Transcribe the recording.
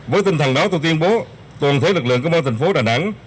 với tinh thần đó tôi tuyên bố tổng thể lực lượng cơ quan thành phố đà nẵng